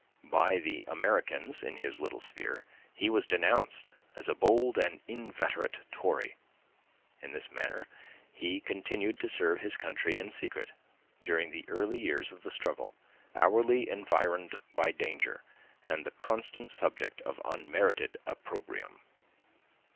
By the Americans, in his little sphere, he was denounced as a bold and inveterate Tory. In this manner he continued to serve his country in secret during the early years of the struggle, hourly environed by danger, and the constant subject of unmerited opprobrium.